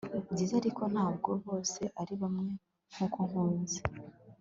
byiza, ariko ntabwo bose ari bamwe. nkuko nkunze